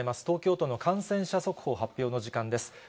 東京都の感染者速報発表の時間です。